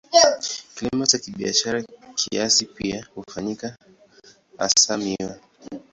Kilimo cha kibiashara kiasi pia hufanyika, hasa miwa.